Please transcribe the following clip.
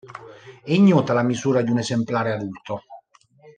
È ignota la misura di un esemplare adulto.